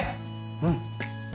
うん。